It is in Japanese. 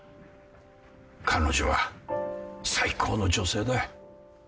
彼女は最高の女性だ。